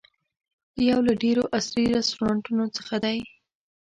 یو له ډېرو عصري رسټورانټونو څخه دی.